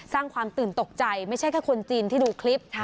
สร้างความตื่นตกใจไม่ใช่แค่คนจีนที่ดูคลิป